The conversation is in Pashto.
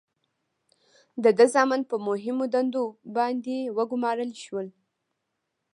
د ده زامن په مهمو دندو باندې وګمارل شول.